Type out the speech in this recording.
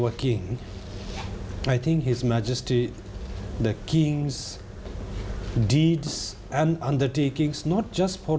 แต่ทุกคนในโลกมีเกี่ยวกับสิ่งที่สามารถคิดว่ามันเป็นสิ่งที่สุดท้าย